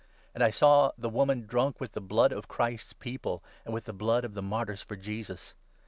And I saw the 6 woman drunk with the blood of Christ's People and with the blood of the martyrs for Jesus.